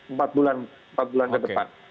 empat bulan ke depan